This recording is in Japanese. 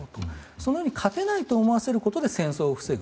そのように勝てないと思わせることで戦争を防ぐ。